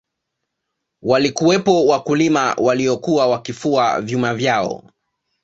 walikuwepo wakulima waliyokuwa wakifua vyuma vyao